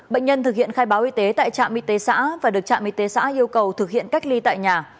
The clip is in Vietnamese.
bệnh nhân thực hiện khai báo y tế tại trạm y tế xã và được trạm y tế xã yêu cầu thực hiện cách ly tại nhà